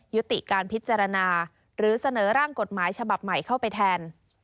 ยุติการพิจารณาหรือเสนอร่างกฎหมายฉบับใหม่เข้าไปแทน